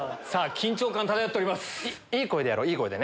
緊張感漂っております。